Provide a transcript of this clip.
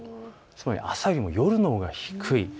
つまり朝よりも夜のほうが低い。